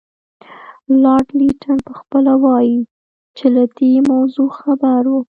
لارډ لیټن پخپله وایي چې له دې موضوع خبر وو.